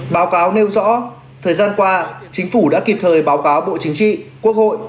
báo cáo nêu rõ thời gian qua chính phủ đã kịp thời báo cáo bộ chính trị quốc hội